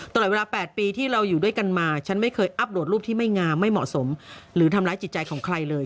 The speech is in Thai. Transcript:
ตลอดเวลา๘ปีที่เราอยู่ด้วยกันมาฉันไม่เคยอัปโดดรูปที่ไม่งามไม่เหมาะสมหรือทำร้ายจิตใจของใครเลย